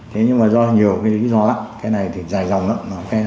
thế nhưng mà do nhiều cái lý do lắp cái này thì dài dòng lắm